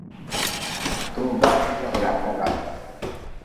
Toba logra foga.